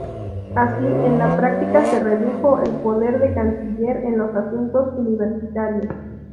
Así, en la práctica se redujo el poder del canciller en los asuntos universitarios.